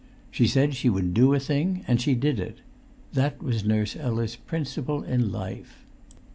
She said she would do a thing, and did it; that was Nurse Ella's principle in life.